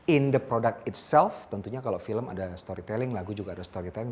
in the product itself tentunya kalau film ada storytelling lagu juga ada storytelling